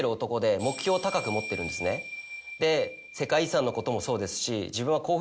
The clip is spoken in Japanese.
で世界遺産のこともそうですし。